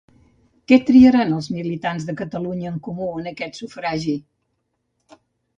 Què triaran els militants de Catalunya en Comú en aquest sufragi?